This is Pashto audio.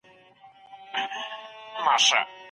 منځګړی بايد د چا له کورنۍ څخه وي؟